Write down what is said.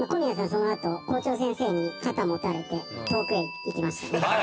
そのあと校長先生に肩持たれて遠くへ行きましたね」